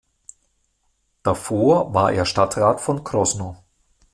Davor war er Stadtrat von Krosno.